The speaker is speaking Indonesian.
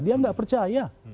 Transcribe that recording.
dia tidak percaya